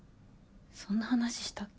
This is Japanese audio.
そんな話したっけ？